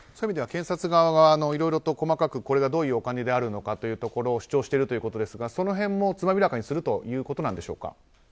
検察側はいろいろと細かくこれがどういうお金であるということを主張しているということですがその辺もつまびらかにするということなんでしょうか？